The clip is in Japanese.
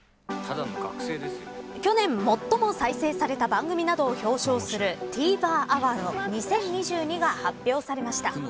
去年、最も再生された番組などを表彰するＴＶｅｒアワード２０２２が発表されました。